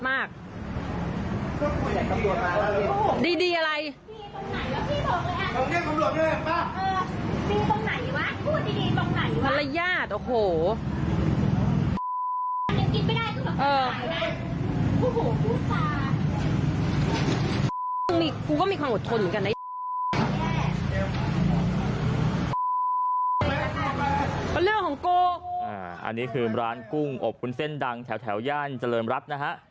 อันนี้คือร้านกุ้งอบคุณเส้นดังแถวย่านเจริมรัฐนะฮะ